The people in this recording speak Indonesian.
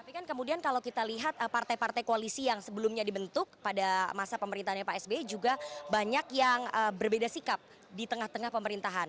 tapi kan kemudian kalau kita lihat partai partai koalisi yang sebelumnya dibentuk pada masa pemerintahnya pak sby juga banyak yang berbeda sikap di tengah tengah pemerintahan